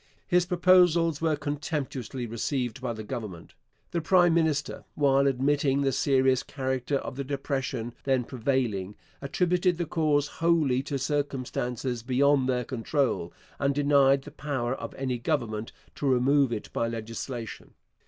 His proposals were contemptuously received by the Government. The prime minister, while admitting the serious character of the depression then prevailing, attributed the cause wholly to circumstances beyond their control, and denied the power of any government to remove it by legislation.